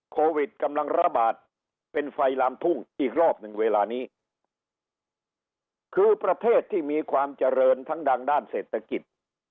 โควิดกำลังระบาดเป็นไฟลามทุ่งอีกรอบหนึ่งเวลานี้คือประเทศที่มีความเจริญทั้งดังด้านเศรษฐกิจ